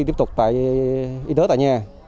chúng ta cũng đi tiếp tục tại y tế tại nhà